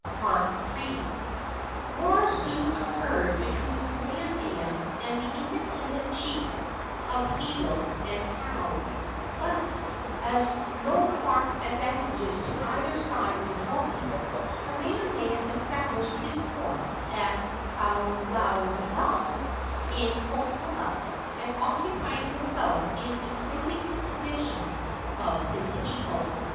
III. War soon occurred between Kamehameha and the independent chiefs of Hilo and Kau, but, as no marked advantages to either side resulted, Kamehameha established his court at Halaula, in Kohala, and occupied himself in improving the condition of his people.